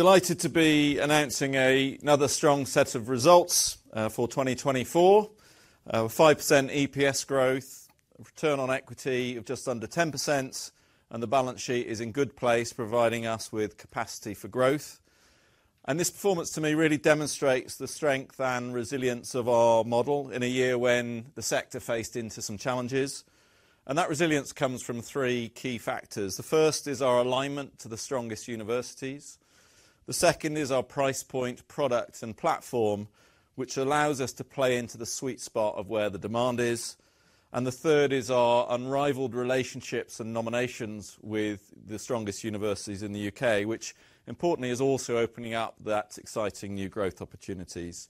Delighted to be announcing another strong set of results for 2024: a 5% EPS growth, Return on equity of just under 10%, and the balance sheet is in good place, providing us with capacity for growth. And this performance, to me, really demonstrates the strength and resilience of our model in a year when the sector faced some challenges. And that resilience comes from three key factors. The first is our alignment to the strongest universities. The second is our price point, product, and platform, which allows us to play into the sweet spot of where the demand is. And the third is our unrivaled relationships and nominations with the strongest universities in the U.K,, which, importantly, is also opening up that exciting new growth opportunities.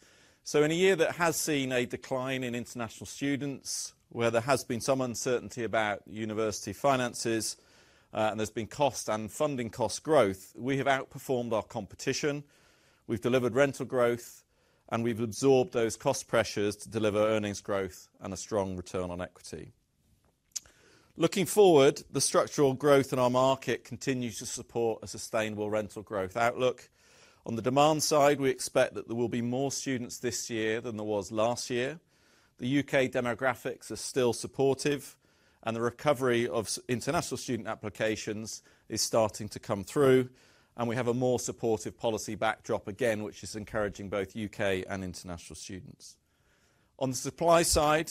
In a year that has seen a decline in international students, where there has been some uncertainty about university finances, and there's been cost and funding cost growth, we have outperformed our competition. We've delivered rental growth, and we've absorbed those cost pressures to deliver earnings growth and a strong return on equity. Looking forward, the structural growth in our market continues to support a sustainable rental growth outlook. On the demand side, we expect that there will be more students this year than there was last year. The U.K. demographics are still supportive, and the recovery of international student applications is starting to come through, and we have a more supportive policy backdrop again, which is encouraging both U.K. and international students. On the supply side,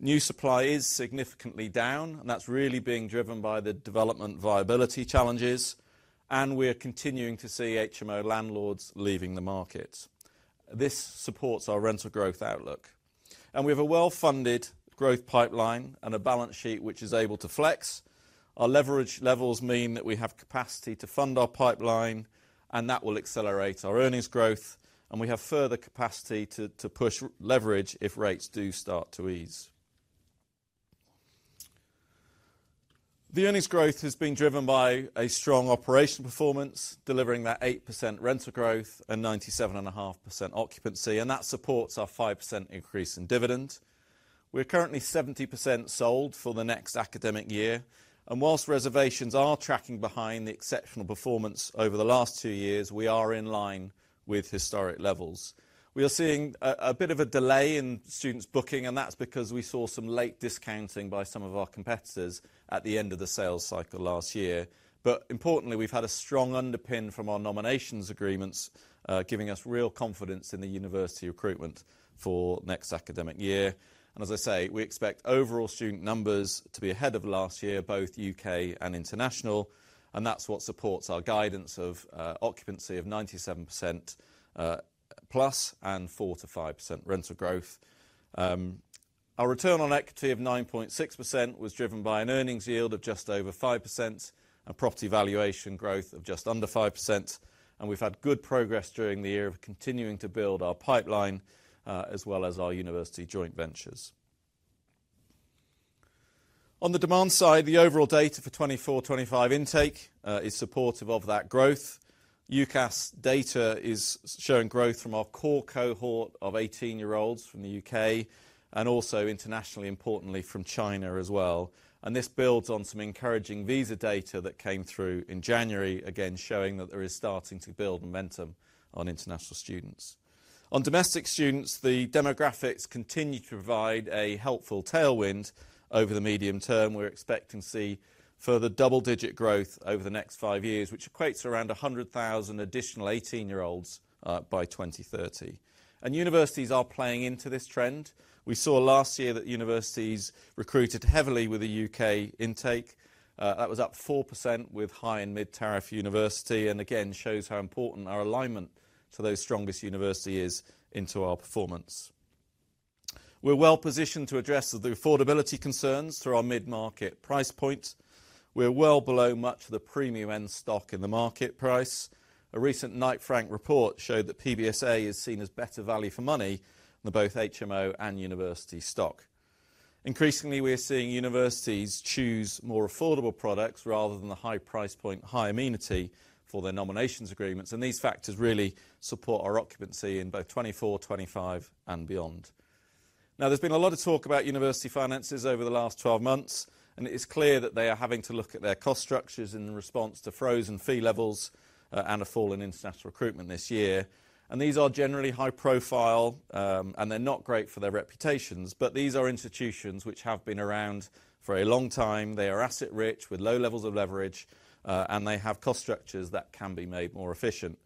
new supply is significantly down, and that's really being driven by the development viability challenges, and we're continuing to see HMO landlords leaving the market. This supports our rental growth outlook, and we have a well-funded growth pipeline and a balance sheet which is able to flex. Our leverage levels mean that we have capacity to fund our pipeline, and that will accelerate our earnings growth, and we have further capacity to push leverage if rates do start to ease. The earnings growth has been driven by a strong operational performance, delivering that 8% rental growth and 97.5% occupancy, and that supports our 5% increase in dividend. We're currently 70% sold for the next academic year, and whilst reservations are tracking behind the exceptional performance over the last two years, we are in line with historic levels. We are seeing a bit of a delay in students' booking, and that's because we saw some late discounting by some of our competitors at the end of the sales cycle last year. But importantly, we've had a strong underpin from our nominations agreements, giving us real confidence in the university recruitment for next academic year. And as I say, we expect overall student numbers to be ahead of last year, both U.K. and international, and that's what supports our guidance of occupancy of 97% plus and 4% to 5% rental growth. Our return on equity of 9.6% was driven by an earnings yield of just over 5%, a property valuation growth of just under 5%, and we've had good progress during the year of continuing to build our pipeline as well as our university joint ventures. On the demand side, the overall data for 2024-25 intake is supportive of that growth. UCAS data is showing growth from our core cohort of 18-year-olds from the U.K. and also, internationally, importantly, from China as well. This builds on some encouraging visa data that came through in January, again showing that there is starting to build momentum on international students. On domestic students, the demographics continue to provide a helpful tailwind over the medium term. We're expecting to see further double-digit growth over the next five years, which equates to around 100,000 additional 18-year-olds by 2030. Universities are playing into this trend. We saw last year that universities recruited heavily with a U.K. intake. That was up 4% with high and mid-tariff universities, and again shows how important our alignment to those strongest universities is into our performance. We're well positioned to address the affordability concerns through our mid-market price point. We're well below much of the premium end stock in the market price. A recent Knight Frank report showed that PBSA is seen as better value for money than both HMO and university stock. Increasingly, we're seeing universities choose more affordable products rather than the high price point, high amenity for their nominations agreements, and these factors really support our occupancy in both 2024, 2025, and beyond. Now, there's been a lot of talk about university finances over the last 12 months, and it is clear that they are having to look at their cost structures in response to frozen fee levels and a fall in international recruitment this year. And these are generally high profile, and they're not great for their reputations, but these are institutions which have been around for a long time. They are asset-rich with low levels of leverage, and they have cost structures that can be made more efficient.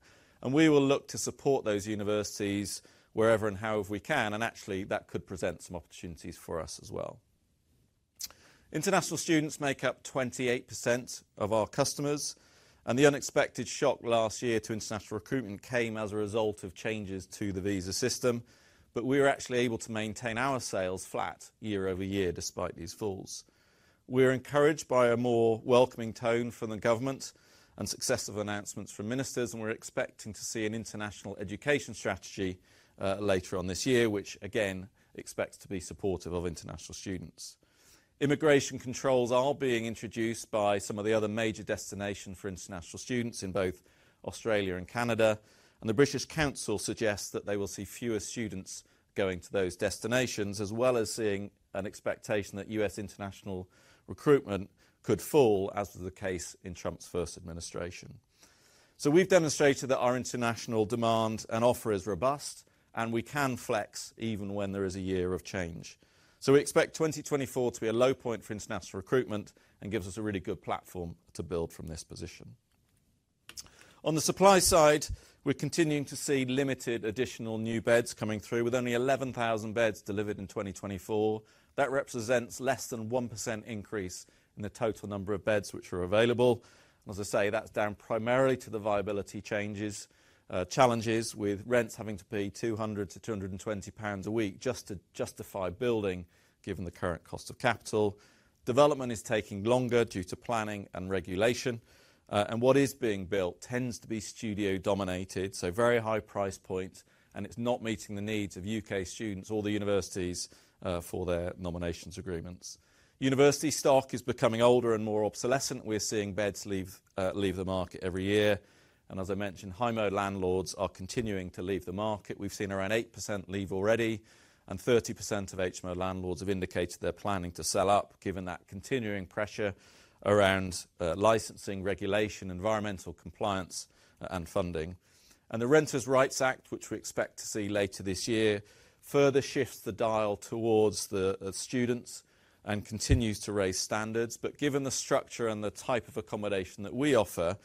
And we will look to support those universities wherever and however we can, and actually, that could present some opportunities for us as well. International students make up 28% of our customers, and the unexpected shock last year to international recruitment came as a result of changes to the visa system, but we were actually able to maintain our sales flat year over year despite these falls. We're encouraged by a more welcoming tone from the government and successive announcements from ministers, and we're expecting to see an international education strategy later on this year, which again expects to be supportive of international students. Immigration controls are being introduced by some of the other major destinations for international students in both Australia and Canada, and the British Council suggests that they will see fewer students going to those destinations, as well as seeing an expectation that U.S. international recruitment could fall, as was the case in Trump's first administration, so we've demonstrated that our international demand and offer is robust, and we can flex even when there is a year of change, so we expect 2024 to be a low point for international recruitment and gives us a really good platform to build from this position. On the supply side, we're continuing to see limited additional new beds coming through, with only 11,000 beds delivered in 2024. That represents less than 1% increase in the total number of beds which are available. As I say, that's down primarily to the viability changes, challenges with rents having to pay 200-220 pounds a week just to justify building, given the current cost of capital. Development is taking longer due to planning and regulation, and what is being built tends to be studio-dominated, so very high price points, and it's not meeting the needs of U.K. students or the universities for their nominations agreements. University stock is becoming older and more obsolescent. We're seeing beds leave the market every year, and as I mentioned, HMO landlords are continuing to leave the market. We've seen around 8% leave already, and 30% of HMO landlords have indicated they're planning to sell up, given that continuing pressure around licensing, regulation, environmental compliance, and funding. And the Renters' Rights Act, which we expect to see later this year, further shifts the dial towards the students and continues to raise standards. But given the structure and the type of accommodation that we offer,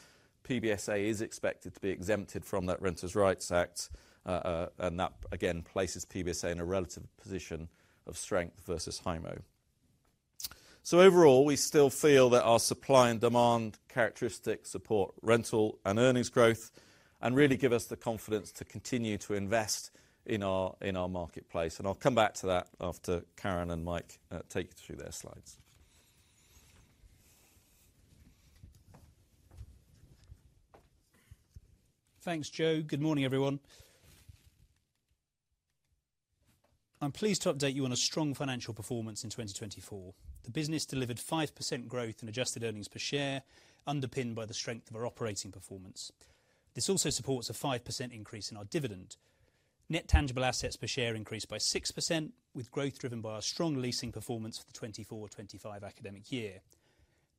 PBSA is expected to be exempted from that Renters' Rights Act, and that, again, places PBSA in a relative position of strength versus HMO. So overall, we still feel that our supply and demand characteristics support rental and earnings growth and really give us the confidence to continue to invest in our marketplace. And I'll come back to that after Karan and Mike take you through their slides. Thanks, Joe. Good morning, everyone. I'm pleased to update you on a strong financial performance in 2024. The business delivered 5% growth in Adjusted Earnings Per Share, underpinned by the strength of our operating performance. This also supports a 5% increase in our dividend. Net Tangible Assets per share increased by 6%, with growth driven by our strong leasing performance for the 24-25 academic year.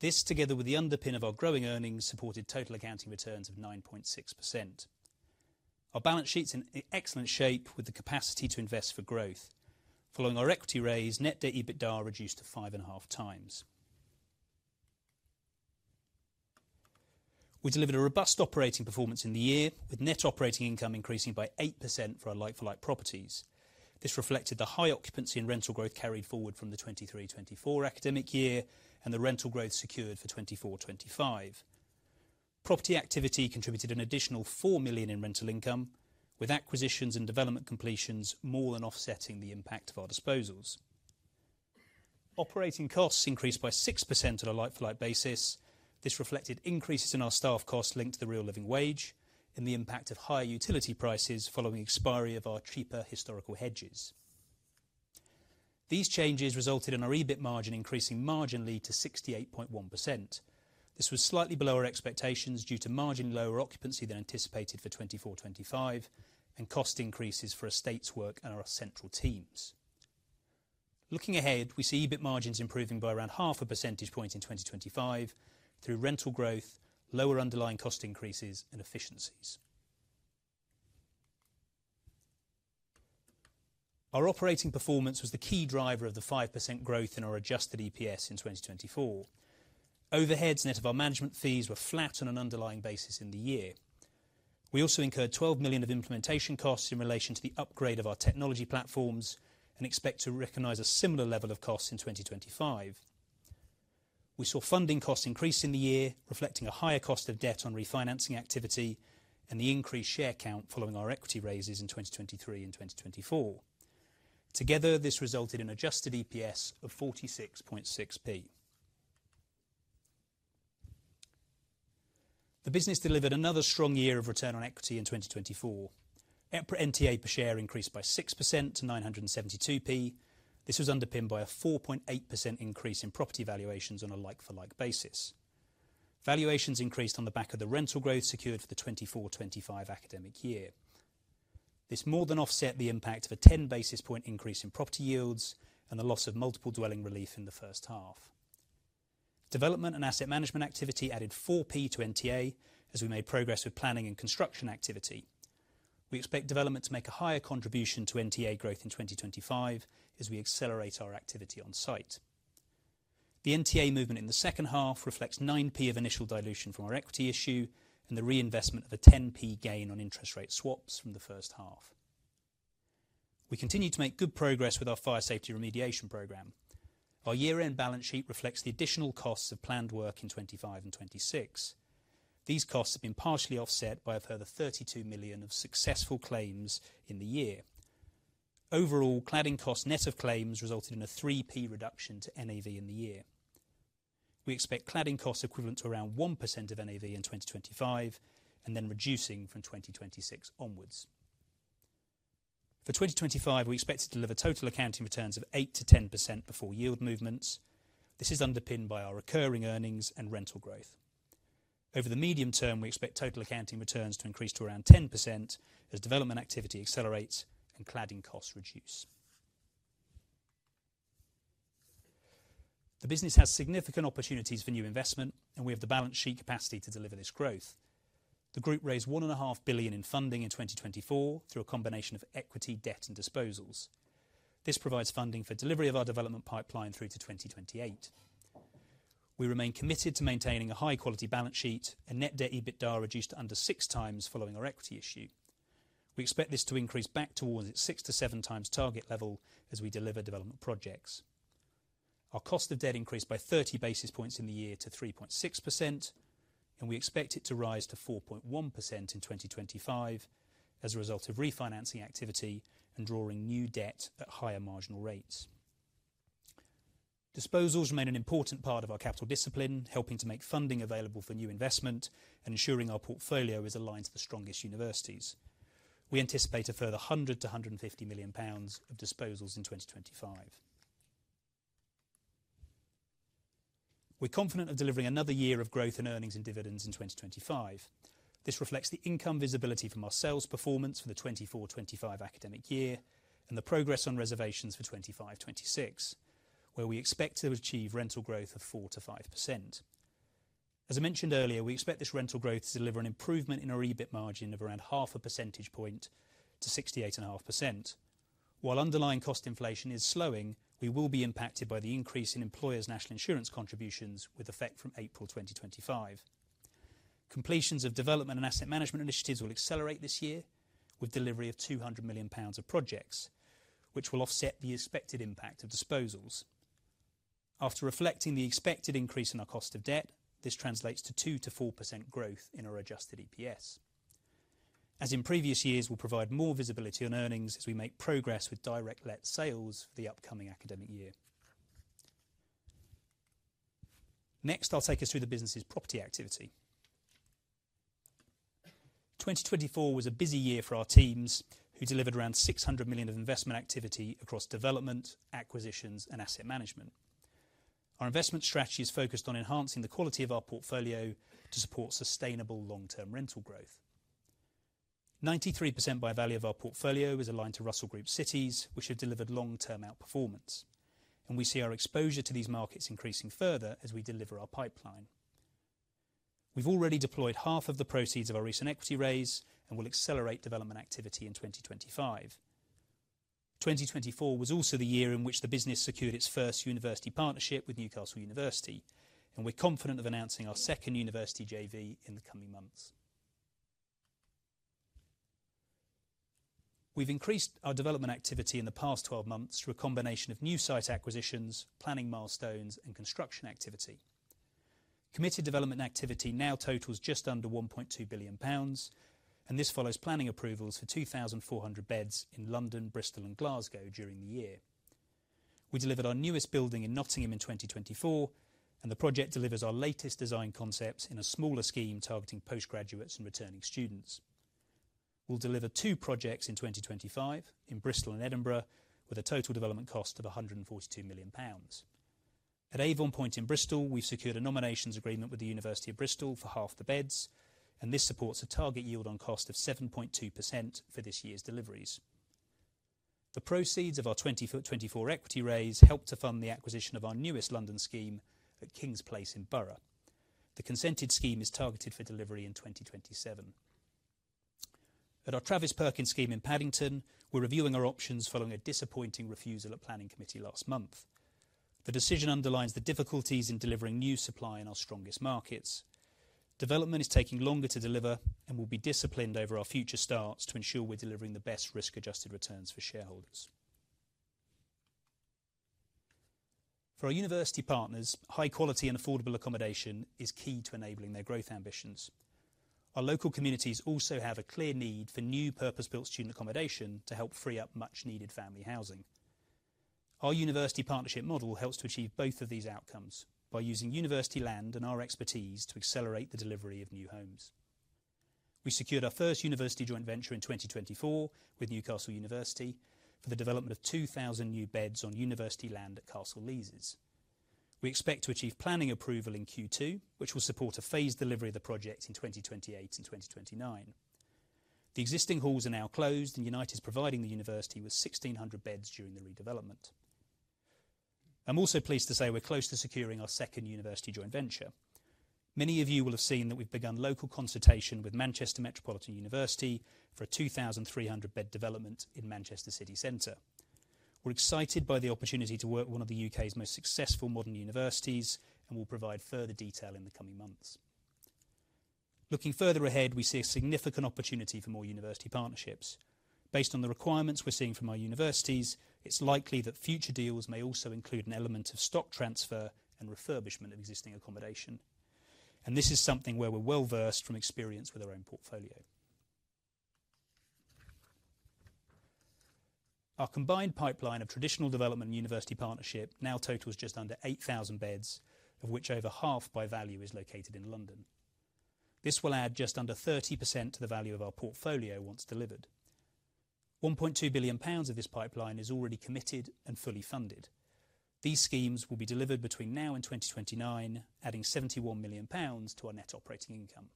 This, together with the underpin of our growing earnings, supported total accounting returns of 9.6%. Our balance sheet's in excellent shape, with the capacity to invest for growth. Following our equity raise, net debt EBITDA reduced to 5.5 times. We delivered a robust operating performance in the year, with net operating income increasing by 8% for our like-for-like properties. This reflected the high occupancy and rental growth carried forward from the 23-24 academic year and the rental growth secured for 24-25. Property activity contributed an additional 4 million in rental income, with acquisitions and development completions more than offsetting the impact of our disposals. Operating costs increased by 6% on a like-for-like basis. This reflected increases in our staff costs linked to the Real Living Wage and the impact of higher utility prices following expiry of our cheaper historical hedges. These changes resulted in our EBIT margin increasing marginally to 68.1%. This was slightly below our expectations due to marginally lower occupancy than anticipated for 2024-25 and cost increases for estates work and our central teams. Looking ahead, we see EBIT margins improving by around half a percentage point in 2025 through rental growth, lower underlying cost increases, and efficiencies. Our operating performance was the key driver of the 5% growth in our adjusted EPS in 2024. Overheads net of our management fees were flat on an underlying basis in the year. We also incurred 12 million of implementation costs in relation to the upgrade of our technology platforms and expect to recognize a similar level of costs in 2025. We saw funding costs increase in the year, reflecting a higher cost of debt on refinancing activity and the increased share count following our equity raises in 2023 and 2024. Together, this resulted in adjusted EPS of 46.6p. The business delivered another strong year of Return on Equity in 2024. NTA per share increased by 6% to 972p. This was underpinned by a 4.8% increase in property valuations on a like-for-like basis. Valuations increased on the back of the rental growth secured for the 24-25 academic year. This more than offset the impact of a 10 basis points increase in property yields and the loss of Multiple Dwellings Relief in the first half. Development and asset management activity added 4p to NTA as we made progress with planning and construction activity. We expect development to make a higher contribution to NTA growth in 2025 as we accelerate our activity on site. The NTA movement in the second half reflects 9p of initial dilution from our equity issue and the reinvestment of a 10p gain on interest rate swaps from the first half. We continue to make good progress with our fire safety remediation program. Our year-end balance sheet reflects the additional costs of planned work in 2025 and 2026. These costs have been partially offset by a further 32 million of successful claims in the year. Overall, cladding costs net of claims resulted in a 0.03 reduction to NAV in the year. We expect cladding costs equivalent to around 1% of NAV in 2025 and then reducing from 2026 onwards. For 2025, we expect to deliver total accounting returns of 8%-10% before yield movements. This is underpinned by our recurring earnings and rental growth. Over the medium term, we expect total accounting returns to increase to around 10% as development activity accelerates and cladding costs reduce. The business has significant opportunities for new investment, and we have the balance sheet capacity to deliver this growth. The group raised 1.5 billion in funding in 2024 through a combination of equity, debt, and disposals. This provides funding for delivery of our development pipeline through to 2028. We remain committed to maintaining a high-quality balance sheet and net debt to EBITDA reduced to under 6 times following our equity issue. We expect this to increase back towards its 6 to 7 times target level as we deliver development projects. Our cost of debt increased by 30 basis points in the year to 3.6%, and we expect it to rise to 4.1% in 2025 as a result of refinancing activity and drawing new debt at higher marginal rates. Disposals remain an important part of our capital discipline, helping to make funding available for new investment and ensuring our portfolio is aligned to the strongest universities. We anticipate a further 100-150 million pounds of disposals in 2025. We're confident of delivering another year of growth in earnings and dividends in 2025. This reflects the income visibility from our sales performance for the 24-25 academic year and the progress on reservations for 25-26, where we expect to achieve rental growth of 4% to 5%. As I mentioned earlier, we expect this rental growth to deliver an improvement in our EBIT margin of around half a percentage point to 68.5%. While underlying cost inflation is slowing, we will be impacted by the increase in employers' National Insurance contributions with effect from April 2025. Completions of development and asset management initiatives will accelerate this year with delivery of 200 million pounds of projects, which will offset the expected impact of disposals. After reflecting the expected increase in our cost of debt, this translates to 2% to 4% growth in our adjusted EPS. As in previous years, we'll provide more visibility on earnings as we make progress with direct-let sales for the upcoming academic year. Next, I'll take us through the business's property activity. 2024 was a busy year for our teams, who delivered around 600 million of investment activity across development, acquisitions, and asset management. Our investment strategy is focused on enhancing the quality of our portfolio to support sustainable long-term rental growth. 93% by value of our portfolio is aligned to Russell Group cities, which have delivered long-term outperformance, and we see our exposure to these markets increasing further as we deliver our pipeline. We've already deployed half of the proceeds of our recent equity raise and will accelerate development activity in 2025. 2024 was also the year in which the business secured its first university partnership with Newcastle University, and we're confident of announcing our second university JV in the coming months. We've increased our development activity in the past 12 months through a combination of new site acquisitions, planning milestones, and construction activity. Committed development activity now totals just under 1.2 billion pounds, and this follows planning approvals for 2,400 beds in London, Bristol, and Glasgow during the year. We delivered our newest building in Nottingham in 2024, and the project delivers our latest design concepts in a smaller scheme targeting postgraduates and returning students. We'll deliver two projects in 2025 in Bristol and Edinburgh with a total development cost of 142 million pounds. At Avon Point in Bristol, we've secured a nominations agreement with the University of Bristol for half the beds, and this supports a target yield on cost of 7.2% for this year's deliveries. The proceeds of our 2024 equity raise helped to fund the acquisition of our newest London scheme at Kings Place in Borough. The consented scheme is targeted for delivery in 2027. At our Travis Perkins scheme in Paddington, we're reviewing our options following a disappointing refusal at planning committee last month. The decision underlines the difficulties in delivering new supply in our strongest markets. Development is taking longer to deliver and will be disciplined over our future starts to ensure we're delivering the best risk-adjusted returns for shareholders. For our university partners, high-quality and affordable accommodation is key to enabling their growth ambitions. Our local communities also have a clear need for new purpose-built student accommodation to help free up much-needed family housing. Our university partnership model helps to achieve both of these outcomes by using university land and our expertise to accelerate the delivery of new homes. We secured our first university joint venture in 2024 with Newcastle University for the development of 2,000 new beds on university land at Castle Leazes. We expect to achieve planning approval in Q2, which will support a phased delivery of the project in 2028 and 2029. The existing halls are now closed, and Unite is providing the university with 1,600 beds during the redevelopment. I'm also pleased to say we're close to securing our second university joint venture. Many of you will have seen that we've begun local consultation with Manchester Metropolitan University for a 2,300-bed development in Manchester city centre. We're excited by the opportunity to work with one of the U.K.'s most successful modern universities and will provide further detail in the coming months. Looking further ahead, we see a significant opportunity for more university partnerships. Based on the requirements we're seeing from our universities, it's likely that future deals may also include an element of stock transfer and refurbishment of existing accommodation, and this is something where we're well-versed from experience with our own portfolio. Our combined pipeline of traditional development and university partnership now totals just under 8,000 beds, of which over half by value is located in London. This will add just under 30% to the value of our portfolio once delivered. 1.2 billion pounds of this pipeline is already committed and fully funded. These schemes will be delivered between now and 2029, adding 71 million pounds to our Net Operating Income.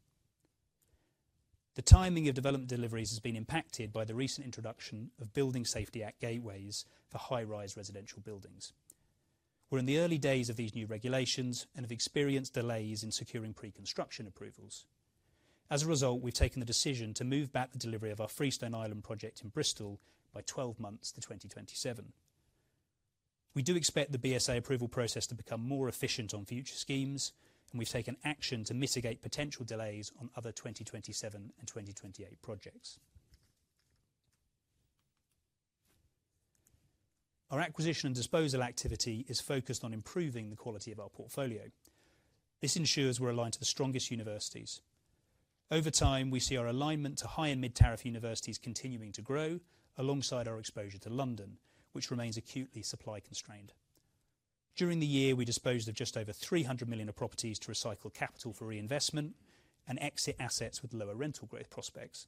The timing of development deliveries has been impacted by the recent introduction of Building Safety Act Gateways for high-rise residential buildings. We're in the early days of these new regulations and have experienced delays in securing pre-construction approvals. As a result, we've taken the decision to move back the delivery of our Freestone Island project in Bristol by 12 months to 2027. We do expect the BSA approval process to become more efficient on future schemes, and we've taken action to mitigate potential delays on other 2027 and 2028 projects. Our acquisition and disposal activity is focused on improving the quality of our portfolio. This ensures we're aligned to the strongest universities. Over time, we see our alignment to high and mid-tariff universities continuing to grow alongside our exposure to London, which remains acutely supply constrained. During the year, we disposed of just over 300 million of properties to recycle capital for reinvestment and exit assets with lower rental growth prospects.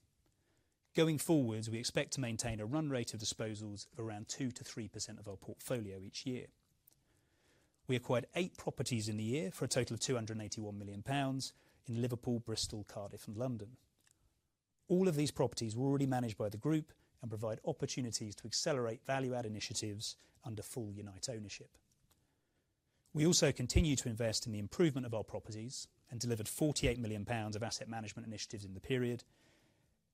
Going forward, we expect to maintain a run rate of disposals of around 2%-3% of our portfolio each year. We acquired eight properties in the year for a total of 281 million pounds in Liverpool, Bristol, Cardiff, and London. All of these properties were already managed by the group and provide opportunities to accelerate value-add initiatives under full Unite ownership. We also continue to invest in the improvement of our properties and delivered 48 million pounds of asset management initiatives in the period,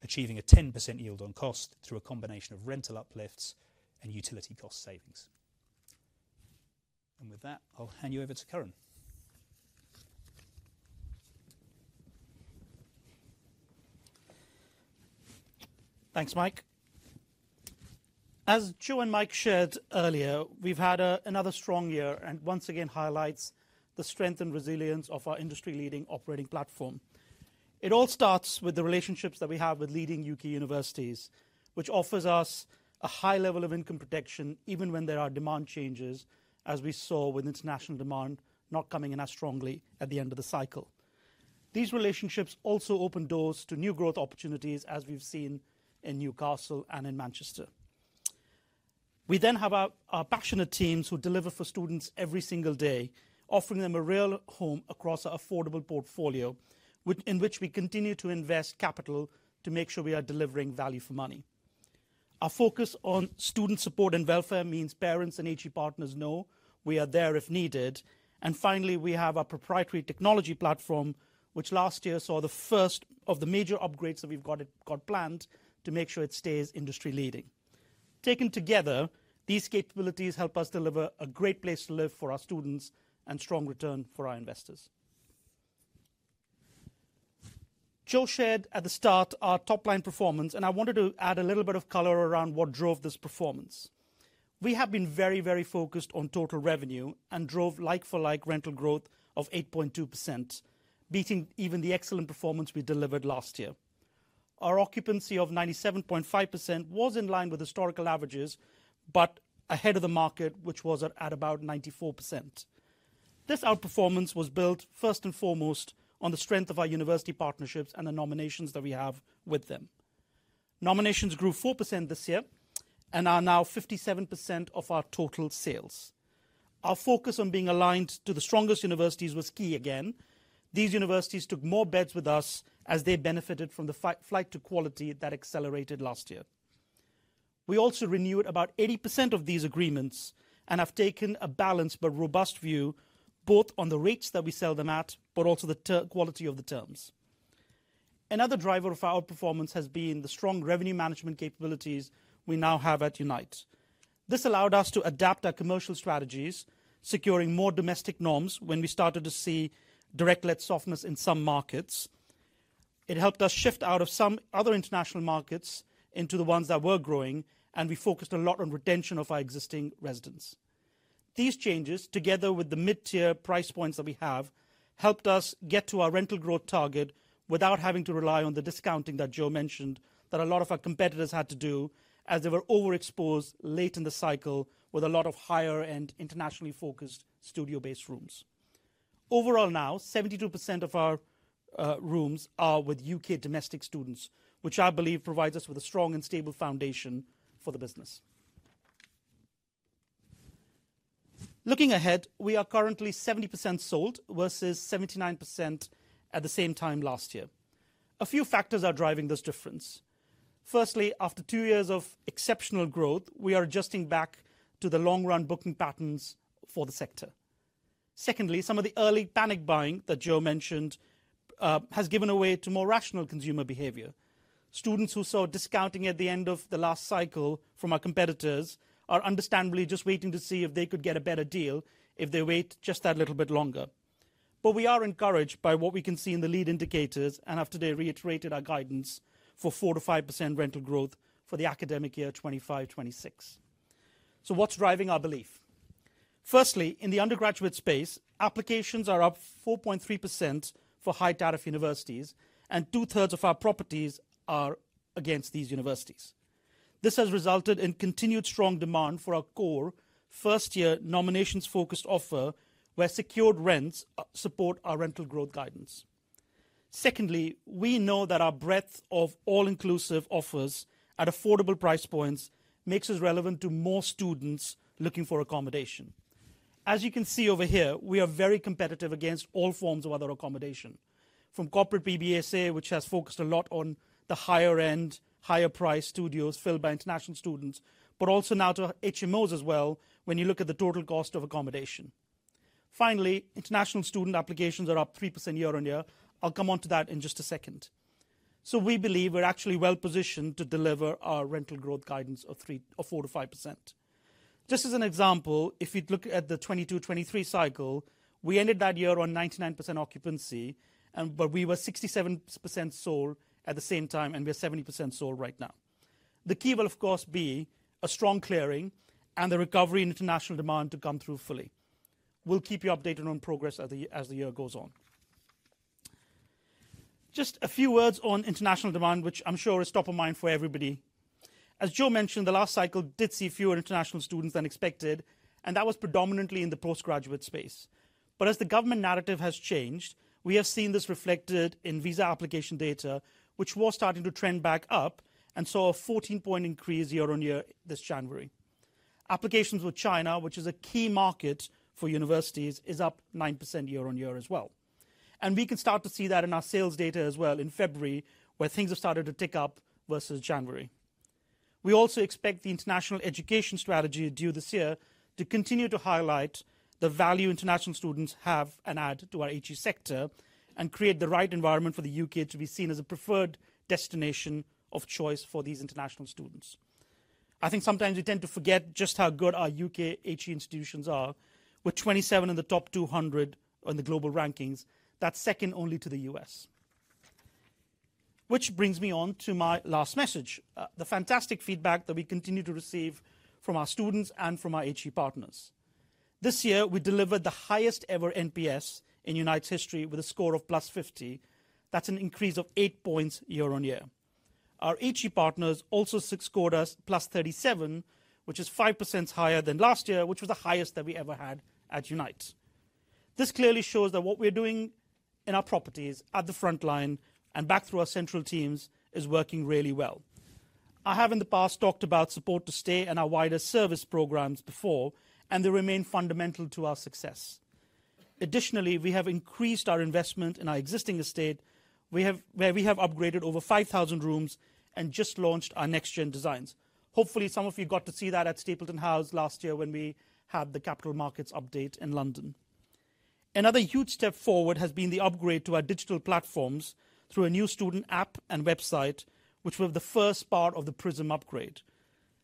achieving a 10% yield on cost through a combination of rental uplifts and utility cost savings. And with that, I'll hand you over to Karan. Thanks, Mike. As Joe and Mike shared earlier, we've had another strong year and once again highlights the strength and resilience of our industry-leading operating platform. It all starts with the relationships that we have with leading U.K, universities, which offers us a high level of income protection even when there are demand changes, as we saw with international demand not coming in as strongly at the end of the cycle. These relationships also open doors to new growth opportunities, as we've seen in Newcastle and in Manchester. We then have our passionate teams who deliver for students every single day, offering them a real home across our affordable portfolio, in which we continue to invest capital to make sure we are delivering value for money. Our focus on student support and welfare means parents and HE partners know we are there if needed. And finally, we have our proprietary technology platform, which last year saw the first of the major upgrades that we've got planned to make sure it stays industry-leading. Taken together, these capabilities help us deliver a great place to live for our students and strong return for our investors. Joe shared at the start our top-line performance, and I wanted to add a little bit of color around what drove this performance. We have been very, very focused on total revenue and drove like-for-like rental growth of 8.2%, beating even the excellent performance we delivered last year. Our occupancy of 97.5% was in line with historical averages, but ahead of the market, which was at about 94%. This outperformance was built first and foremost on the strength of our university partnerships and the nominations that we have with them. Nominations grew 4% this year and are now 57% of our total sales. Our focus on being aligned to the strongest universities was key again. These universities took more beds with us as they benefited from the flight to quality that accelerated last year. We also renewed about 80% of these agreements and have taken a balanced but robust view both on the rates that we sell them at, but also the quality of the terms. Another driver of our performance has been the strong revenue management capabilities we now have at Unite. This allowed us to adapt our commercial strategies, securing more domestic noms when we started to see direct-let softness in some markets. It helped us shift out of some other international markets into the ones that were growing, and we focused a lot on retention of our existing residents. These changes, together with the mid-tier price points that we have, helped us get to our rental growth target without having to rely on the discounting that Joe mentioned that a lot of our competitors had to do as they were overexposed late in the cycle with a lot of higher-end, internationally focused studio-based rooms. Overall, now 72% of our rooms are with U.K. domestic students, which I believe provides us with a strong and stable foundation for the business. Looking ahead, we are currently 70% sold versus 79% at the same time last year. A few factors are driving this difference. Firstly, after two years of exceptional growth, we are adjusting back to the long-run booking patterns for the sector. Secondly, some of the early panic buying that Joe mentioned has given way to more rational consumer behavior. Students who saw discounting at the end of the last cycle from our competitors are understandably just waiting to see if they could get a better deal if they wait just that little bit longer. But we are encouraged by what we can see in the lead indicators and have today reiterated our guidance for 4%-5% rental growth for the academic year 2025-26. So what's driving our belief? Firstly, in the undergraduate space, applications are up 4.3% for high-tariff universities, and two-thirds of our properties are against these universities. This has resulted in continued strong demand for our core first-year nominations-focused offer where secured rents support our rental growth guidance. Secondly, we know that our breadth of all-inclusive offers at affordable price points makes us relevant to more students looking for accommodation. As you can see over here, we are very competitive against all forms of other accommodation, from corporate PBSA, which has focused a lot on the higher-end, higher-priced studios filled by international students, but also now to HMOs as well when you look at the total cost of accommodation. Finally, international student applications are up 3% year on year. I'll come on to that in just a second. So we believe we're actually well-positioned to deliver our rental growth guidance of 4%-5%. Just as an example, if you look at the 2022-2023 cycle, we ended that year on 99% occupancy, but we were 67% sold at the same time, and we are 70% sold right now. The key will, of course, be a strong clearing and the recovery in international demand to come through fully. We'll keep you updated on progress as the year goes on. Just a few words on international demand, which I'm sure is top of mind for everybody. As Joe mentioned, the last cycle did see fewer international students than expected, and that was predominantly in the postgraduate space, but as the government narrative has changed, we have seen this reflected in visa application data, which was starting to trend back up and saw a 14-point increase year on year this January. Applications with China, which is a key market for universities, is up 9% year on year as well, and we can start to see that in our sales data as well in February, where things have started to tick up versus January. We also expect the international education strategy due this year to continue to highlight the value international students have and add to our HE sector and create the right environment for the U.K. to be seen as a preferred destination of choice for these international students. I think sometimes we tend to forget just how good our U.K. HE institutions are. We're 27 in the top 200 in the global rankings, that's second only to the U.S., which brings me on to my last message, the fantastic feedback that we continue to receive from our students and from our HE partners. This year, we delivered the highest ever NPS in Unite's history with a score of plus 50. That's an increase of eight points year on year. Our HE partners also scored us plus 37, which is 5% higher than last year, which was the highest that we ever had at Unite. This clearly shows that what we're doing in our properties at the front line and back through our central teams is working really well. I have in the past talked about Support to Stay and our wider service programs before, and they remain fundamental to our success. Additionally, we have increased our investment in our existing estate, where we have upgraded over 5,000 rooms and just launched our next-gen designs. Hopefully, some of you got to see that at Stapleton House last year when we had the Capital Markets Update in London. Another huge step forward has been the upgrade to our digital platforms through a new student app and website, which will be the first part of the Prism upgrade.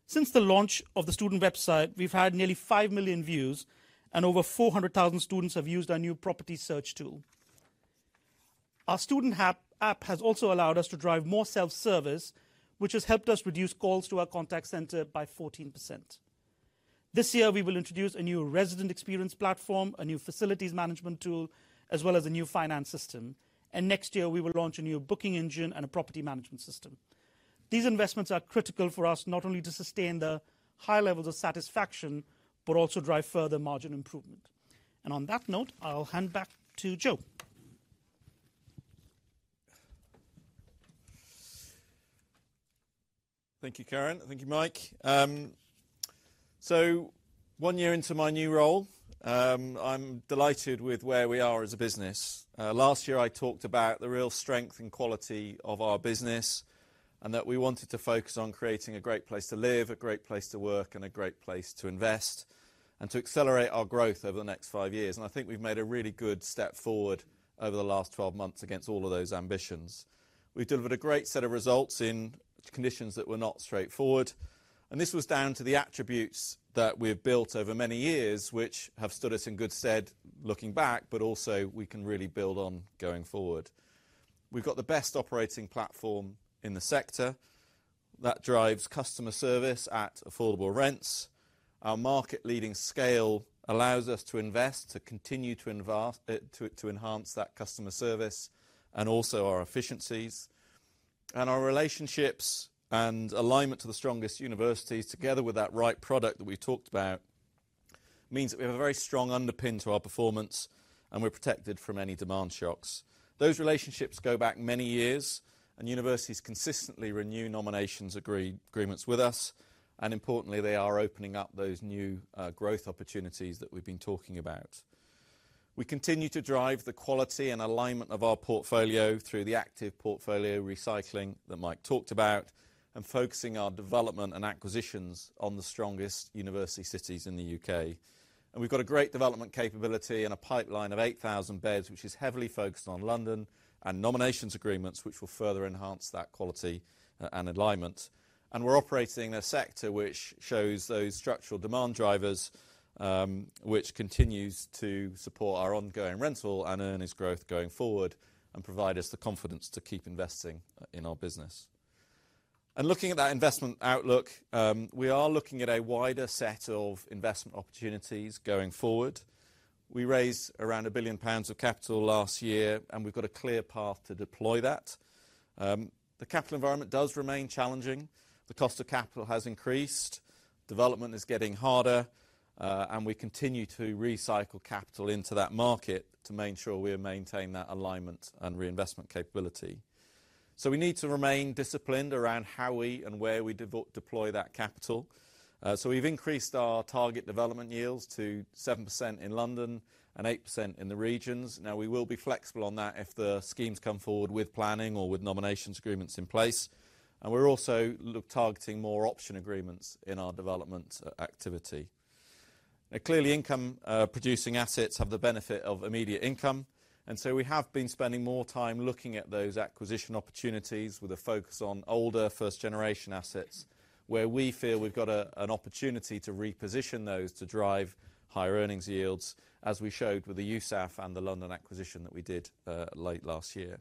Since the launch of the student website, we've had nearly five million views, and over 400,000 students have used our new property search tool. Our student app has also allowed us to drive more self-service, which has helped us reduce calls to our contact center by 14%. This year, we will introduce a new resident experience platform, a new facilities management tool, as well as a new finance system. And next year, we will launch a new booking engine and a property management system. These investments are critical for us not only to sustain the high levels of satisfaction, but also drive further margin improvement. And on that note, I'll hand back to Joe. Thank you, Karan. Thank you, Mike. So one year into my new role, I'm delighted with where we are as a business. Last year, I talked about the real strength and quality of our business and that we wanted to focus on creating a great place to live, a great place to work, and a great place to invest and to accelerate our growth over the next five years. And I think we've made a really good step forward over the last 12 months against all of those ambitions. We've delivered a great set of results in conditions that were not straightforward. And this was down to the attributes that we've built over many years, which have stood us in good stead looking back, but also we can really build on going forward. We've got the best operating platform in the sector that drives customer service at affordable rents. Our market-leading scale allows us to invest, to continue to enhance that customer service and also our efficiencies. And our relationships and alignment to the strongest universities, together with that right product that we've talked about, means that we have a very strong underpin to our performance and we're protected from any demand shocks. Those relationships go back many years, and universities consistently renew nominations agreements with us. And importantly, they are opening up those new growth opportunities that we've been talking about. We continue to drive the quality and alignment of our portfolio through the active portfolio recycling that Mike talked about and focusing our development and acquisitions on the strongest university cities in the U.K. And we've got a great development capability and a pipeline of 8,000 beds, which is heavily focused on London and nominations agreements, which will further enhance that quality and alignment. We're operating a sector which shows those structural demand drivers, which continues to support our ongoing rental and earnings growth going forward and provide us the confidence to keep investing in our business. Looking at that investment outlook, we are looking at a wider set of investment opportunities going forward. We raised around 1 billion pounds of capital last year, and we've got a clear path to deploy that. The capital environment does remain challenging. The cost of capital has increased. Development is getting harder, and we continue to recycle capital into that market to make sure we maintain that alignment and reinvestment capability. We need to remain disciplined around how we and where we deploy that capital. We've increased our target development yields to 7% in London and 8% in the regions. Now, we will be flexible on that if the schemes come forward with planning or with nominations agreements in place. And we're also targeting more option agreements in our development activity. Clearly, income-producing assets have the benefit of immediate income. And so we have been spending more time looking at those acquisition opportunities with a focus on older first-generation assets, where we feel we've got an opportunity to reposition those to drive higher earnings yields, as we showed with the USAF and the London acquisition that we did late last year.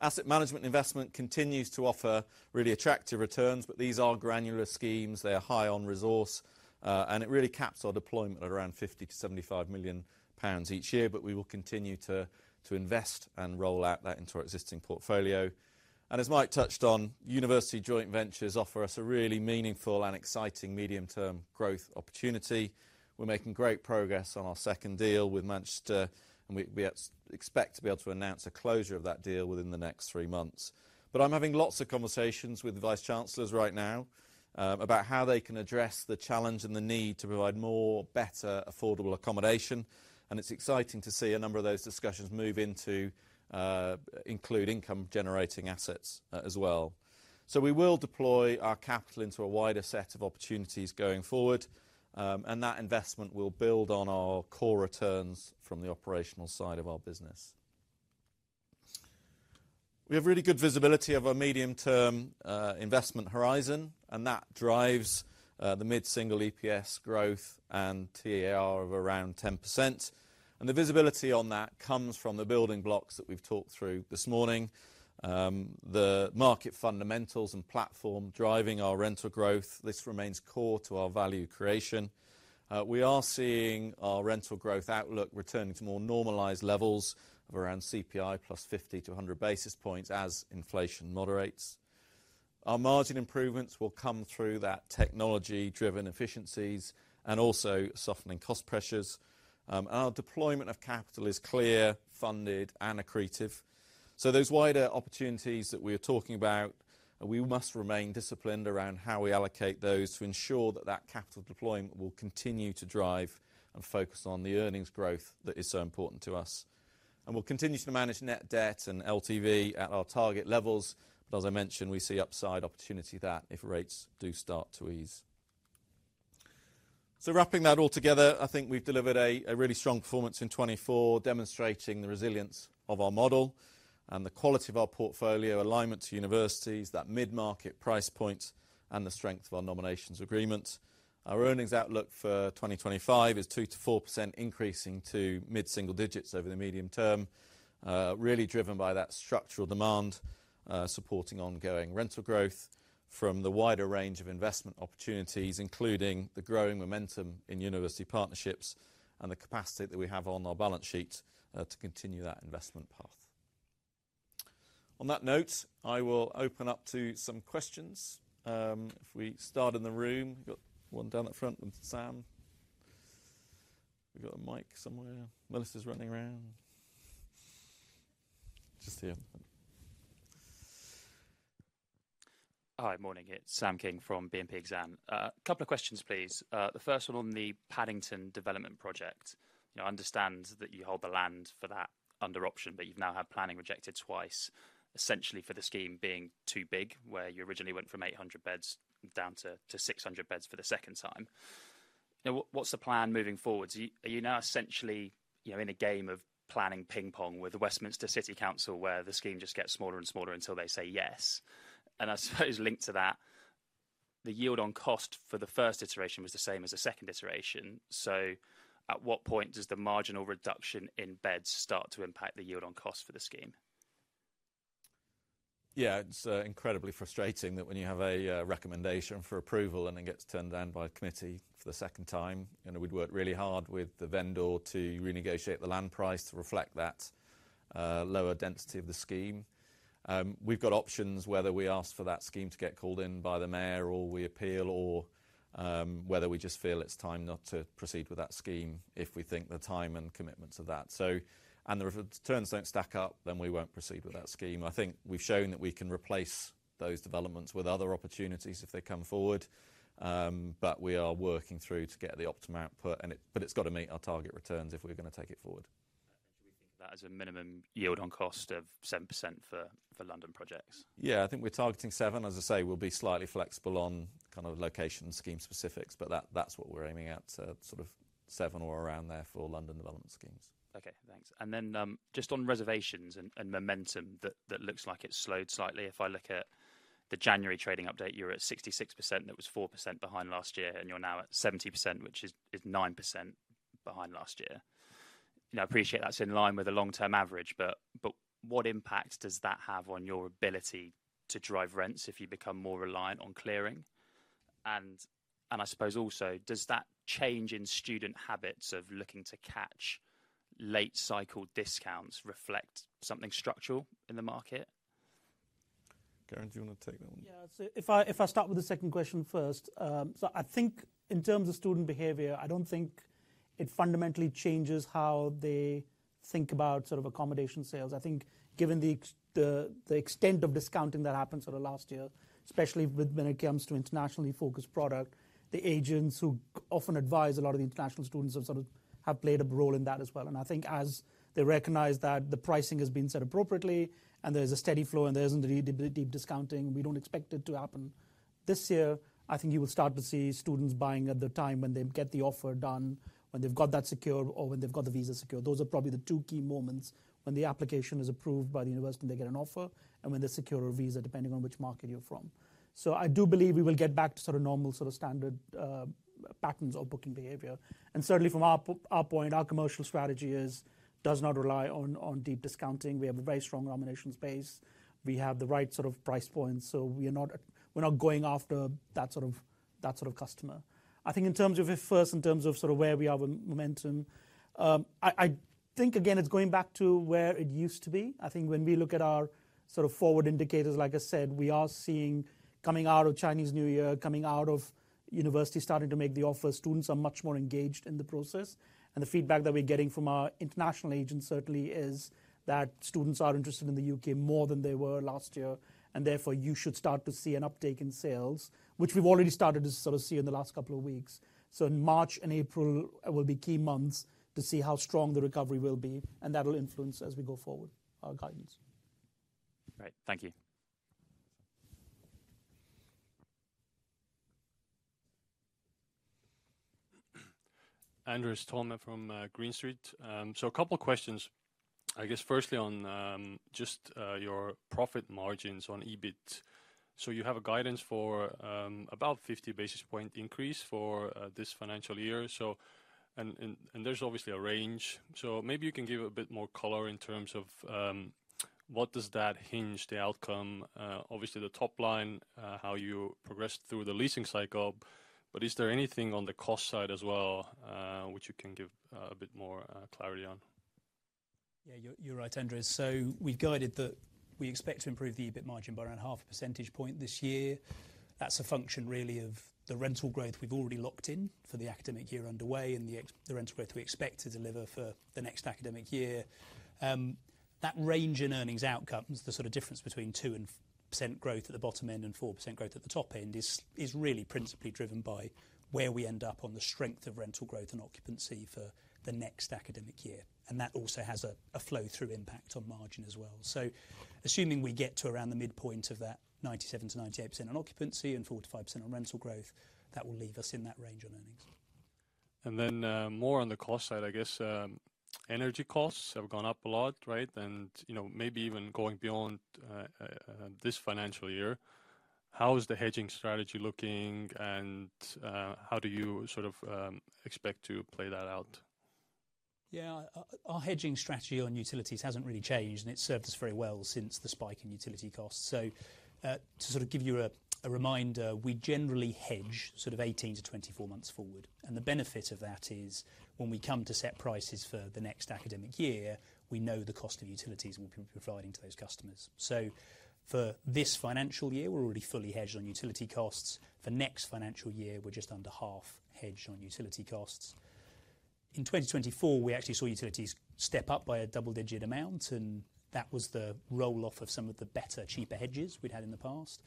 Asset management investment continues to offer really attractive returns, but these are granular schemes. They are high on resource, and it really caps our deployment at around 50-75 million pounds each year, but we will continue to invest and roll out that into our existing portfolio. And as Mike touched on, university joint ventures offer us a really meaningful and exciting medium-term growth opportunity. We're making great progress on our second deal with Manchester, and we expect to be able to announce a closure of that deal within the next three months. But I'm having lots of conversations with the vice chancellors right now about how they can address the challenge and the need to provide more better affordable accommodation. And it's exciting to see a number of those discussions move into include income-generating assets as well. So we will deploy our capital into a wider set of opportunities going forward, and that investment will build on our core returns from the operational side of our business. We have really good visibility of our medium-term investment horizon, and that drives the mid-single EPS growth and TAR of around 10%. And the visibility on that comes from the building blocks that we've talked through this morning, the market fundamentals and platform driving our rental growth. This remains core to our value creation. We are seeing our rental growth outlook returning to more normalized levels of around CPI plus 50-100 basis points as inflation moderates. Our margin improvements will come through that technology-driven efficiencies and also softening cost pressures. Our deployment of capital is clear, funded, and accretive. So those wider opportunities that we are talking about, we must remain disciplined around how we allocate those to ensure that that capital deployment will continue to drive and focus on the earnings growth that is so important to us. And we'll continue to manage net debt and LTV at our target levels. But as I mentioned, we see upside opportunity that if rates do start to ease. Wrapping that all together, I think we've delivered a really strong performance in 2024, demonstrating the resilience of our model and the quality of our portfolio, alignment to universities, that mid-market price point, and the strength of our nominations agreements. Our earnings outlook for 2025 is 2%-4% increasing to mid-single digits over the medium term, really driven by that structural demand supporting ongoing rental growth from the wider range of investment opportunities, including the growing momentum in university partnerships and the capacity that we have on our balance sheet to continue that investment path. On that note, I will open up to some questions. If we start in the room, we've got one down at the front with Sam. We've got a mic somewhere. Melissa's running around. Just here. Hi, morning. It's Sam King from BNP Exane. A couple of questions, please. The first one on the Paddington development project. I understand that you hold the land for that under option, but you've now had planning rejected twice, essentially for the scheme being too big, where you originally went from 800 beds down to 600 beds for the second time. What's the plan moving forward? Are you now essentially in a game of planning ping pong with the Westminster City Council, where the scheme just gets smaller and smaller until they say yes? And I suppose linked to that, the yield on cost for the first iteration was the same as the second iteration. So at what point does the marginal reduction in beds start to impact the yield on cost for the scheme? Yeah, it's incredibly frustrating that when you have a recommendation for approval and it gets turned down by a committee for the second time, and we'd worked really hard with the vendor to renegotiate the land price to reflect that lower density of the scheme. We've got options whether we ask for that scheme to get called in by the mayor or we appeal, or whether we just feel it's time not to proceed with that scheme if we think the time and commitment to that and the returns don't stack up, then we won't proceed with that scheme. I think we've shown that we can replace those developments with other opportunities if they come forward, but we are working through to get the optimum output, but it's got to meet our target returns if we're going to take it forward. Should we think of that as a minimum yield on cost of 7% for London projects? Yeah, I think we're targeting seven. As I say, we'll be slightly flexible on kind of location scheme specifics, but that's what we're aiming at, sort of seven or around there for London development schemes. Okay, thanks. And then just on reservations and momentum, that looks like it's slowed slightly. If I look at the January trading update, you're at 66%. That was 4% behind last year, and you're now at 70%, which is 9% behind last year. I appreciate that's in line with a long-term average, but what impact does that have on your ability to drive rents if you become more reliant on clearing? And I suppose also, does that change in student habits of looking to catch late-cycle discounts reflect something structural in the market? Karan, do you want to take that one? Yeah, so if I start with the second question first, so I think in terms of student behavior, I don't think it fundamentally changes how they think about sort of accommodation sales. I think given the extent of discounting that happened sort of last year, especially when it comes to internationally focused product, the agents who often advise a lot of the international students have played a role in that as well, and I think as they recognize that the pricing has been set appropriately and there's a steady flow and there isn't any deep discounting, we don't expect it to happen this year. I think you will start to see students buying at the time when they get the offer done, when they've got that secure or when they've got the visa secure. Those are probably the two key moments when the application is approved by the university and they get an offer, and when they secure a visa, depending on which market you're from. So I do believe we will get back to sort of normal sort of standard patterns of booking behavior. And certainly from our point, our commercial strategy does not rely on deep discounting. We have a very strong nomination space. We have the right sort of price points, so we're not going after that sort of customer. I think in terms of if first, in terms of sort of where we are with momentum, I think again, it's going back to where it used to be. I think when we look at our sort of forward indicators, like I said, we are seeing, coming out of Chinese New Year, coming out of universities starting to make the offer, students are much more engaged in the process, and the feedback that we're getting from our international agents certainly is that students are interested in the U.K, more than they were last year, and therefore, you should start to see an uptake in sales, which we've already started to sort of see in the last couple of weeks, so March and April will be key months to see how strong the recovery will be, and that will influence as we go forward our guidance. Great. Thank you. Andrew Stollman from Green Street. So a couple of questions. I guess firstly on just your profit margins on EBIT. So you have guidance for about 50 basis points increase for this financial year. And there's obviously a range. So maybe you can give a bit more color in terms of what does that hinge on, the outcome, obviously the top line, how you progressed through the leasing cycle, but is there anything on the cost side as well which you can give a bit more clarity on? Yeah, you're right, Andrew. So we've guided that we expect to improve the EBIT margin by around half a percentage point this year. That's a function really of the rental growth we've already locked in for the academic year underway and the rental growth we expect to deliver for the next academic year. That range in earnings outcomes, the sort of difference between 2% growth at the bottom end and 4% growth at the top end is really principally driven by where we end up on the strength of rental growth and occupancy for the next academic year. And that also has a flow-through impact on margin as well. So assuming we get to around the midpoint of that 97%-98% on occupancy and 4%-5% on rental growth, that will leave us in that range on earnings. And then more on the cost side, I guess energy costs have gone up a lot, right? And maybe even going beyond this financial year. How is the hedging strategy looking and how do you sort of expect to play that out? Yeah, our hedging strategy on utilities hasn't really changed and it's served us very well since the spike in utility costs. So to sort of give you a reminder, we generally hedge sort of 18 to 24 months forward. And the benefit of that is when we come to set prices for the next academic year, we know the cost of utilities will be providing to those customers. So for this financial year, we're already fully hedged on utility costs. For next financial year, we're just under half hedged on utility costs. In 2024, we actually saw utilities step up by a double-digit amount and that was the roll-off of some of the better, cheaper hedges we'd had in the past.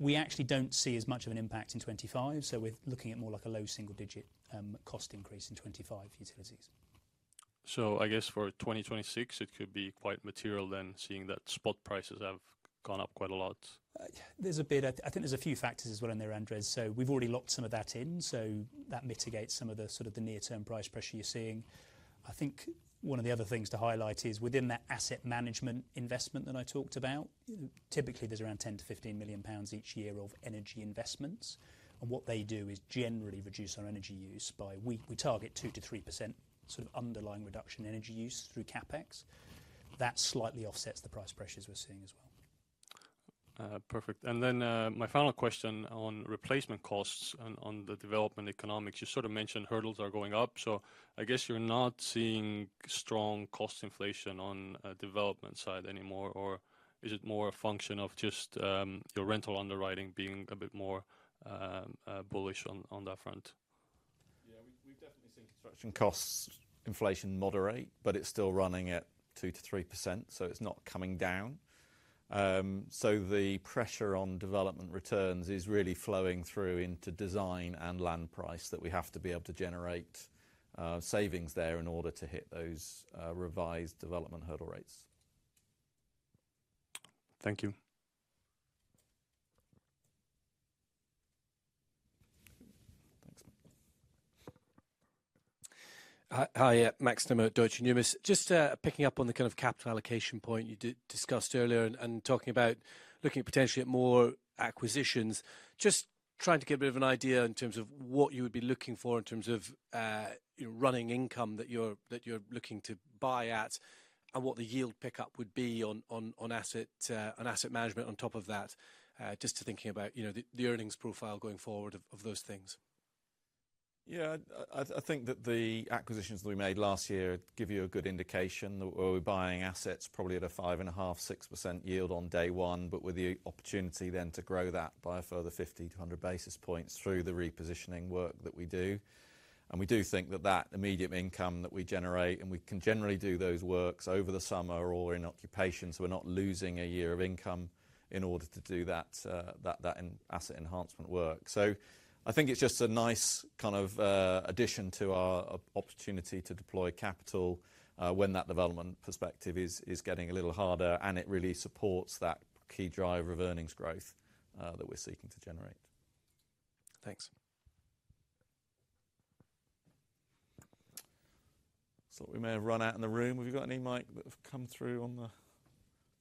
We actually don't see as much of an impact in 2025, so we're looking at more like a low single-digit cost increase in 2025 utilities. So I guess for 2026, it could be quite material then seeing that spot prices have gone up quite a lot. There's a bit, I think there's a few factors as well in there, Andrew. So we've already locked some of that in, so that mitigates some of the sort of near-term price pressure you're seeing. I think one of the other things to highlight is within that asset management investment that I talked about, typically there's around 10 million-15 million pounds each year of energy investments. And what they do is generally reduce our energy use by, we target 2%-3% sort of underlying reduction in energy use through CapEx. That slightly offsets the price pressures we're seeing as well. Perfect. And then my final question on replacement costs and on the development economics. You sort of mentioned hurdles are going up, so I guess you're not seeing strong cost inflation on the development side anymore, or is it more a function of just your rental underwriting being a bit more bullish on that front? Yeah, we've definitely seen construction costs inflation moderate, but it's still running at 2%-3%, so it's not coming down. So the pressure on development returns is really flowing through into design and land price that we have to be able to generate savings there in order to hit those revised development hurdle rates. Thank you. Hi, Max Nimmo at Deutsche Numis. Just picking up on the kind of capital allocation point you discussed earlier and talking about looking potentially at more acquisitions, just trying to get a bit of an idea in terms of what you would be looking for in terms of running income that you're looking to buy at and what the yield pickup would be on asset management on top of that, just to thinking about the earnings profile going forward of those things. Yeah, I think that the acquisitions that we made last year give you a good indication that we're buying assets probably at a 5.5%-6% yield on day one, but with the opportunity then to grow that by a further 50 to 100 basis points through the repositioning work that we do, and we do think that that immediate income that we generate, and we can generally do those works over the summer or in occupation, so we're not losing a year of income in order to do that asset enhancement work, so I think it's just a nice kind of addition to our opportunity to deploy capital when that development perspective is getting a little harder, and it really supports that key driver of earnings growth that we're seeking to generate. Thanks. So we may have run out in the room. Have you got any, Mike, that have come through on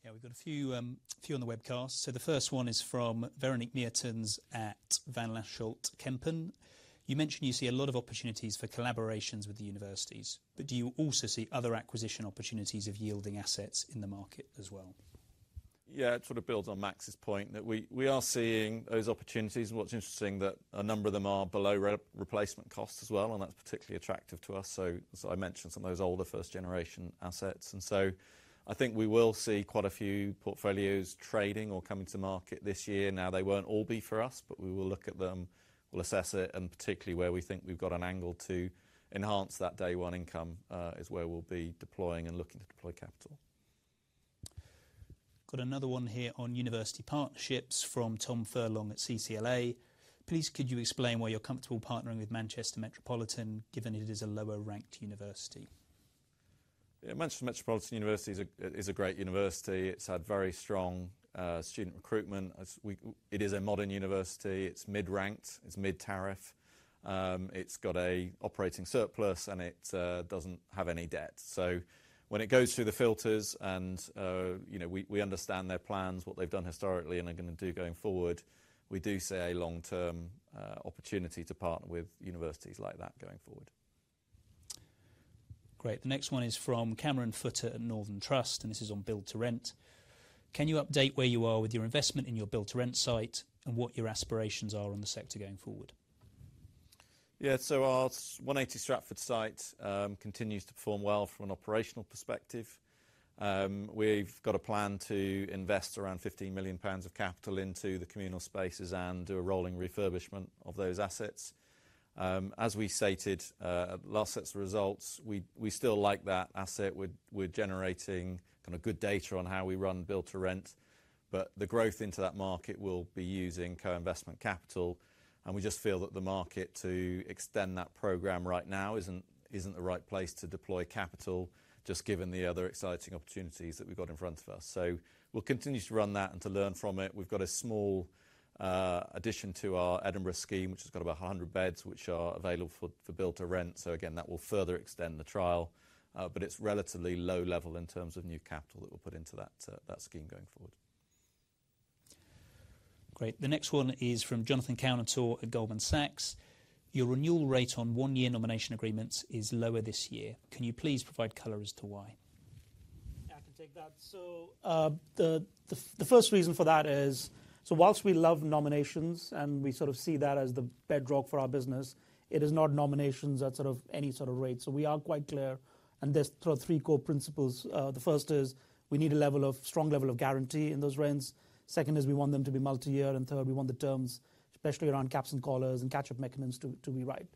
the? Yeah, we've got a few on the webcast. So the first one is from Veronique Meertens at Van Lanschot Kempen. You mentioned you see a lot of opportunities for collaborations with the universities, but do you also see other acquisition opportunities of yielding assets in the market as well? Yeah, it sort of builds on Max's point that we are seeing those opportunities. And what's interesting is that a number of them are below replacement costs as well, and that's particularly attractive to us. So I mentioned some of those older first-generation assets. And so I think we will see quite a few portfolios trading or coming to the market this year. Now, they won't all be for us, but we will look at them, we'll assess it, and particularly where we think we've got an angle to enhance that day one income is where we'll be deploying and looking to deploy capital. Got another one here on university partnerships from Tom Furlong at CCLA. Please, could you explain why you're comfortable partnering with Manchester Metropolitan given it is a lower-ranked university? Yeah, Manchester Metropolitan University is a great university. It's had very strong student recruitment. It is a modern university. It's mid-ranked. It's mid-tariff. It's got an operating surplus and it doesn't have any debt. So when it goes through the filters and we understand their plans, what they've done historically and are going to do going forward, we do see a long-term opportunity to partner with universities like that going forward. Great. The next one is from Cameron Futter at Northern Trust, and this is on Build-to-rent. Can you update where you are with your investment in your Build-to-rent site and what your aspirations are on the sector going forward? Yeah, so our 180 Stratford site continues to perform well from an operational perspective. We've got a plan to invest around 15 million pounds of capital into the communal spaces and do a rolling refurbishment of those assets. As we stated, last set of results, we still like that asset. We're generating kind of good data on how we run Build-to-rent, but the growth into that market will be using co-investment capital. And we just feel that the market to extend that program right now isn't the right place to deploy capital, just given the other exciting opportunities that we've got in front of us. So we'll continue to run that and to learn from it. We've got a small addition to our Edinburgh scheme, which has got about 100 beds, which are available for Build-to-rent. So again, that will further extend the trial, but it's relatively low level in terms of new capital that we'll put into that scheme going forward. Great. The next one is from Jonathan Kownator at Goldman Sachs. Your renewal rate on one-year nomination agreements is lower this year. Can you please provide color as to why? I can take that. So the first reason for that is, so while we love nominations and we sort of see that as the bedrock for our business, it is not nominations at sort of any sort of rate. So we are quite clear and there's sort of three core principles. The first is we need a strong level of guarantee in those rents. Second is we want them to be multi-year. And third, we want the terms, especially around caps and collars and catch-up mechanisms, to be right.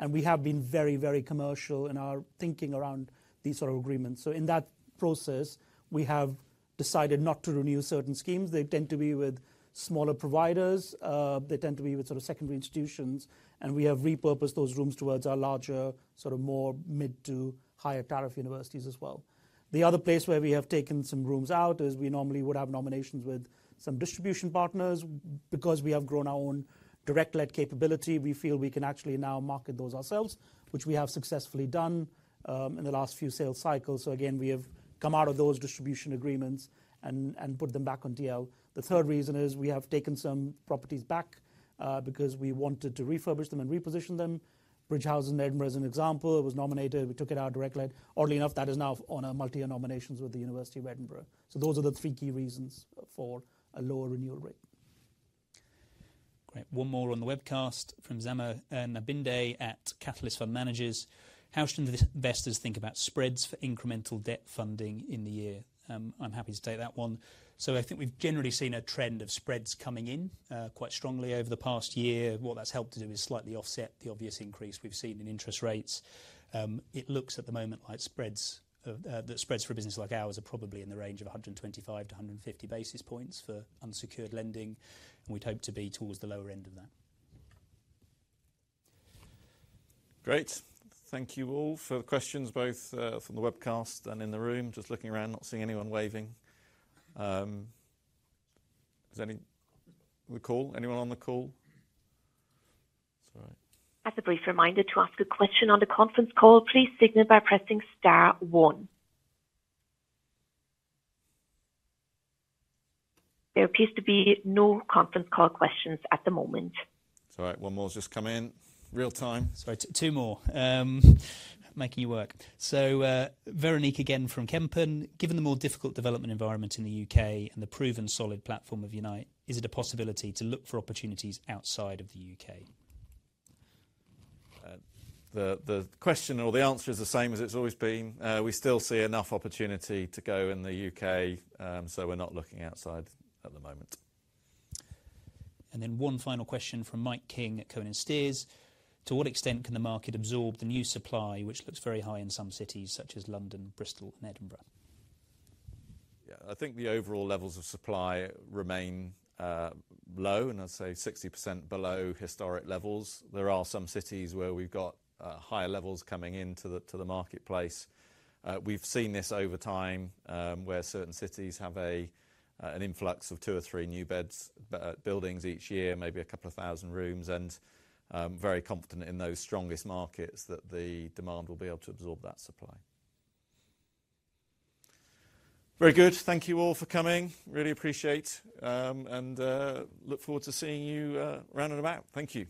And we have been very, very commercial in our thinking around these sort of agreements. So in that process, we have decided not to renew certain schemes. They tend to be with smaller providers. They tend to be with sort of secondary institutions. And we have repurposed those rooms towards our larger sort of more mid- to higher-tariff universities as well. The other place where we have taken some rooms out is we normally would have nominations with some distribution partners. Because we have grown our own direct-let capability, we feel we can actually now market those ourselves, which we have successfully done in the last few sales cycles. So again, we have come out of those distribution agreements and put them back on DL. The third reason is we have taken some properties back because we wanted to refurbish them and reposition them. Bridge House in Edinburgh is an example. It was nominated. We took it out direct-let. Oddly enough, that is now on a multi-year nominations with the University of Edinburgh. So those are the three key reasons for a lower renewal rate. Great. One more on the webcast from Zema Nkabinde at Catalyst Fund Managers. How should investors think about spreads for incremental debt funding in the year? I'm happy to take that one. So I think we've generally seen a trend of spreads coming in quite strongly over the past year. What that's helped to do is slightly offset the obvious increase we've seen in interest rates. It looks at the moment like spreads for businesses like ours are probably in the range of 125 to 150 basis points for unsecured lending. And we'd hope to be towards the lower end of that. Great. Thank you all for the questions, both from the webcast and in the room. Just looking around, not seeing anyone waving. Is there any recall? Anyone on the call? It's all right. As a brief reminder to ask a question on the conference call, please signal by pressing star one. There appears to be no conference call questions at the moment. All right. One more has just come in real time. Sorry, two more. Making you work. So Veronique again from Kempen. Given the more difficult development environment in the U.K, and the proven solid platform of Unite, is it a possibility to look for opportunities outside of the U.K,? The question or the answer is the same as it's always been. We still see enough opportunity to go in the U.K,, so we're not looking outside at the moment. And then one final question from Mike King at Cohen & Steers. To what extent can the market absorb the new supply, which looks very high in some cities such as London, Bristol, and Edinburgh? Yeah, I think the overall levels of supply remain low, and I'd say 60% below historic levels. There are some cities where we've got higher levels coming into the marketplace. We've seen this over time where certain cities have an influx of two or three new buildings each year, maybe a couple of thousand rooms, and very confident in those strongest markets that the demand will be able to absorb that supply. Very good. Thank you all for coming. Really appreciate and look forward to seeing you round and about. Thank you.